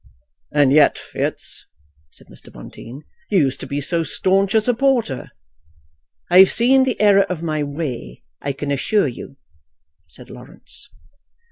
"And yet, Fitz," said Mr. Bonteen, "you used to be so staunch a supporter." "I have seen the error of my way, I can assure you," said Laurence.